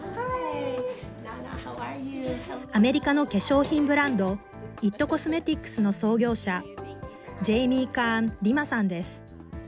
アメリカの化粧品ブランド、イットコスメティックスの創業者、ジェイミー・カーン・リマさんです。